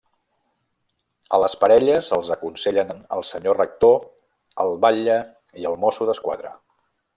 A les parelles els aconsellen el Senyor Rector, el Batlle i el Mosso d'Esquadra.